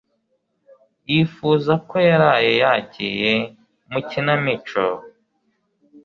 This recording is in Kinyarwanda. Yifuza ko yaraye yagiye mu ikinamico